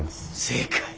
正解。